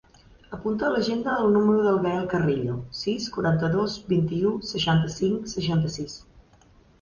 Apunta a l'agenda el número del Gael Carrillo: sis, quaranta-dos, vint-i-u, seixanta-cinc, seixanta-sis.